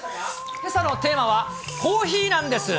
けさのテーマはコーヒーなんです。